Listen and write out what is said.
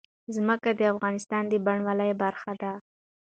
ځمکه د افغانستان د بڼوالۍ برخه ده.